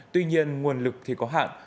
tuy nhiên nguồn lực thì có hạn